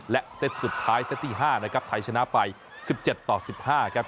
และเซตสุดท้ายเซตที่๕นะครับไทยชนะไป๑๗ต่อ๑๕ครับ